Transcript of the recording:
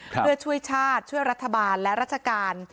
เพื่อช่วยชาติช่วยรัฐบาลและราชการ